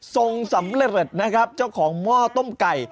สำเร็จนะครับเจ้าของหม้อต้มไก่